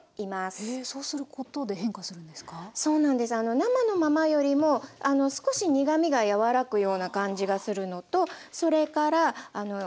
生のままよりも少し苦みが和らぐような感じがするのとそれから頂きやすくなります。